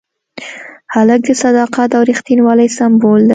هلک د صداقت او ریښتینولۍ سمبول دی.